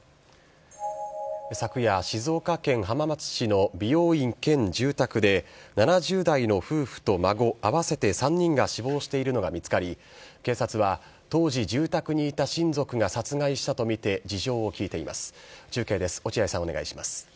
昨夜、静岡県浜松市の美容院兼住宅で７０代の夫婦と孫、合わせて３人が死亡しているのが見つかり、警察は当時住宅にいた親族が殺害したと見て、事情を聴いています。